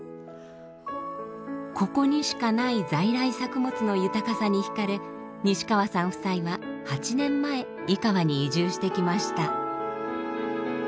ここにしかない在来作物の豊かさに惹かれ西川さん夫妻は８年前井川に移住してきました。